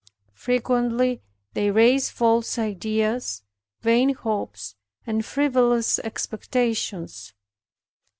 Frequently they raise false ideas, vain hopes, and frivolous expectations.